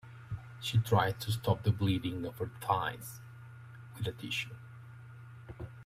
She tried to stop the bleeding of her thighs with a tissue.